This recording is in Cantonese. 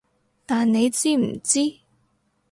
但你知唔知